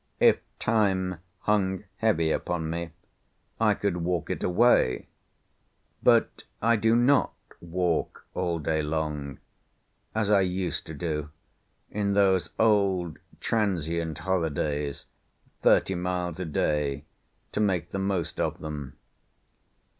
If Time hung heavy upon me, I could walk it away; but I do not walk all day long, as I used to do in those old transient holidays, thirty miles a day, to make the most of them.